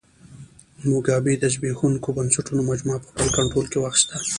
موګابي د زبېښونکو بنسټونو مجموعه په خپل کنټرول کې واخیسته.